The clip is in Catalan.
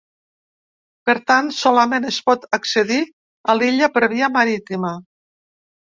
Per tant, solament es pot accedir a l’illa per via marítima.